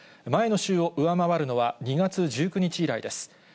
前の週を上回るのは、２月１９日以来です。